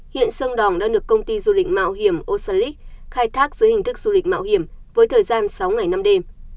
hiện sơn đỏng đã được công ty du lịch mạo hiểm osalic khai thác giữa hình thức du lịch mạo hiểm với thời gian sáu ngày năm đêm